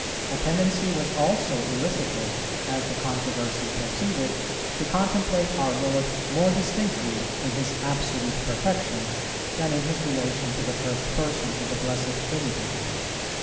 A tendency was also elicited, as the controversy proceeded, to contemplate our Lord more distinctly in His absolute perfections, than in His relation to the First Person of the Blessed Trinity.